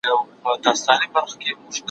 ما پرون د سبا لپاره د سوالونو جواب ورکړ!.